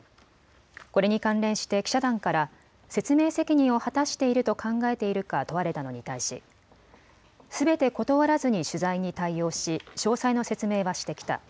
これに関連して記者団から説明責任を果たしていると考えているか問われたのに対し、すべて断らずに取材に対応し詳細の説明はしてきた。